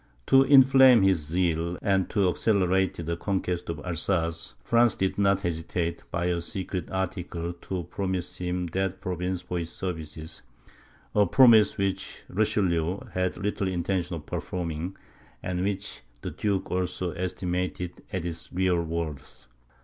To inflame his zeal, and to accelerate the conquest of Alsace, France did not hesitate, by a secret article, to promise him that province for his services; a promise which Richelieu had little intention of performing, and which the duke also estimated at its real worth.